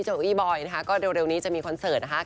เก้าอี้บอยนะคะก็เร็วนี้จะมีคอนเสิร์ตนะคะ